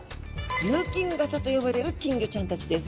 琉金型と呼ばれる金魚ちゃんたちです。